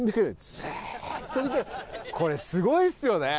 これすごいですよね。